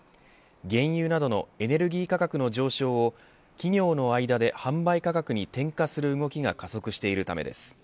原油などのエネルギー価格の上昇を企業の間で販売価格に転嫁する動きが加速しているためです。